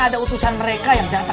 aduh mampus sakit semua badan nih